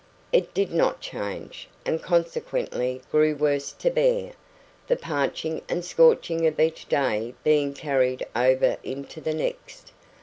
It did not change, and consequently grew worse to bear, the parching and scorching of each day being carried over into the next.